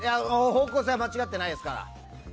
方向性は間違っていないですから。